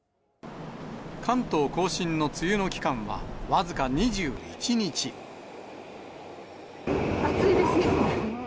関東甲信の梅雨の期間は、暑いですね。